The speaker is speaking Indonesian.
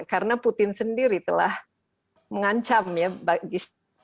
karena putin sendiri telah mengancam ya bagi siapapun negara yang akan menangani rusia